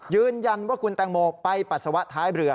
ยืนยันว่าคุณแตงโมไปปัสสาวะท้ายเรือ